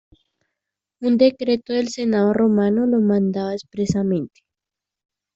Un decreto del senado romano lo mandaba expresamente.